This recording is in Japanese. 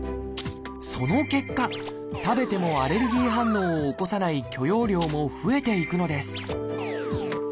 その結果食べてもアレルギー反応を起こさない許容量も増えていくのです